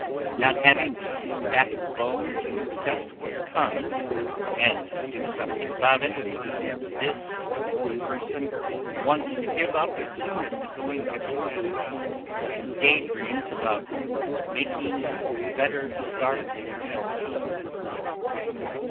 Not having the backbone to accept what comes and do something about it, this type of person wants to give up as soon as the going gets rough, and daydreams about making a better start elsewhere.